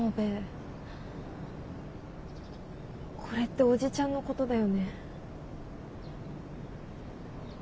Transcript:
これっておじちゃんのことだよね。